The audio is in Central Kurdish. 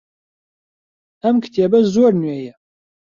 ئەم کتێبە زۆر نوێیە.